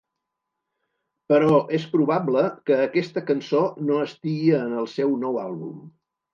Però és probable que aquesta cançó no estigui en el seu nou àlbum.